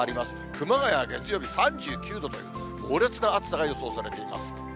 熊谷は月曜日３９度という、猛烈な暑さが予想されています。